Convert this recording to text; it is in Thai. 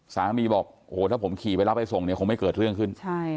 สามีบอกโอ้โหถ้าผมขี่ไปรับไปส่งเนี่ยคงไม่เกิดเรื่องขึ้น